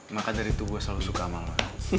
maka dari itu gue selalu suka sama lo